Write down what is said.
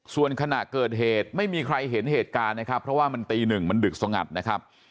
ส่วนขณะเกิดเหตุไม่มีใครเห็นเหตุการณ์นะครับเพราะว่ามันตีหนึ่งมันดึกสงัดนะครับ